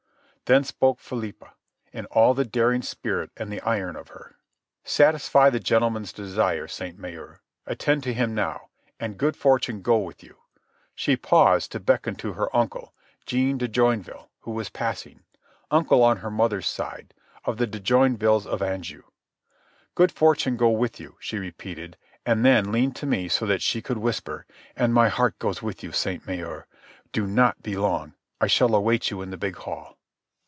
Then spoke Philippa, in all the daring spirit and the iron of her. "Satisfy the gentleman's desire, Sainte Maure. Attend to him now. And good fortune go with you." She paused to beckon to her her uncle, Jean de Joinville, who was passing—uncle on her mother's side, of the de Joinvilles of Anjou. "Good fortune go with you," she repeated, and then leaned to me so that she could whisper: "And my heart goes with you, Sainte Maure. Do not be long. I shall await you in the big hall."